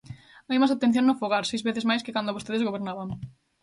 Hai máis atención no fogar; seis veces máis que cando vostedes gobernaban.